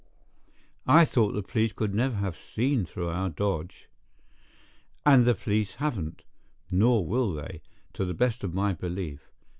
"I thought the police never could have seen through our dodge." "And the police haven't, nor will they, to the best of my belief.